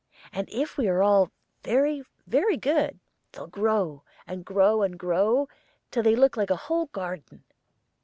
And if we are all very, very good, they'll grow, and grow, and grow, till they look like a whole garden.'